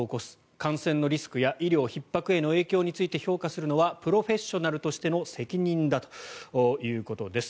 感染のリスクや医療ひっ迫への影響について評価するのはプロフェッショナルとしての責任だということです。